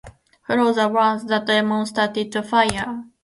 Full of wrath, the demon started the fire.